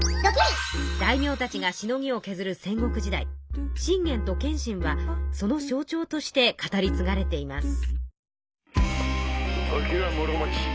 大名たちがしのぎをけずる戦国時代信玄と謙信はその象徴として語りつがれています。